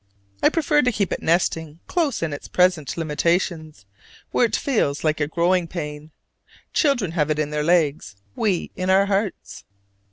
I prefer to keep it nesting close in its present limitations, where it feels like a "growing pain"; children have it in their legs, we in our hearts.